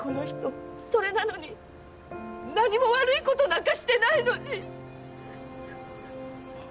それなのに何も悪い事なんかしてないのに。